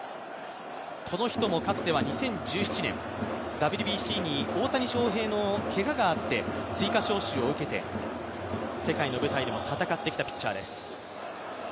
この人もかつては２０１７年、ＷＢＣに大谷翔平のけががあって追加招集を受けて、世界の舞台でも戦ってきたピッチャーです。